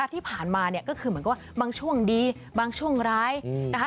ที่ผ่านมาเนี่ยก็คือเหมือนกับว่าบางช่วงดีบางช่วงร้ายนะคะ